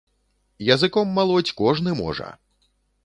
Языком малоць кожны можа!